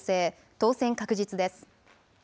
当選確実です。